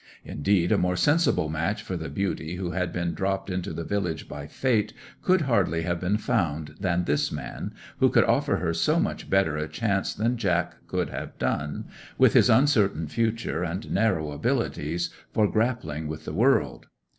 Indeed, a more sensible match for the beauty who had been dropped into the village by fate could hardly have been found than this man, who could offer her so much better a chance than Jack could have done, with his uncertain future and narrow abilities for grappling with the world.